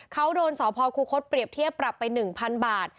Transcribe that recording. เขาโดนสพคุคศเปรียบเทียบปรับไป๑๐๐๐บาท